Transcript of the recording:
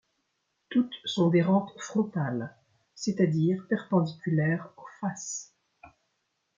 Toutes sont des rampes frontales, c'est-à-dire perpendiculaires aux faces.